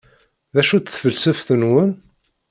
D acu-tt tfelseft-nwen?